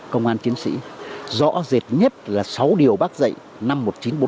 công an chiến sĩ rõ rệt nhất là sáu điều bác dạy năm một nghìn chín trăm bốn mươi năm